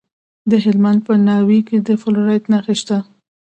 د هلمند په ناوې کې د فلورایټ نښې شته.